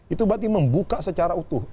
itu berarti membuka secara utuh